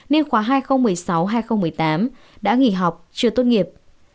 nên khóa hai nghìn một mươi sáu hai nghìn một mươi tám đã nghỉ học chưa tốt nghiệp